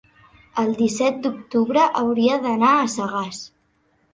el disset d'octubre hauria d'anar a Sagàs.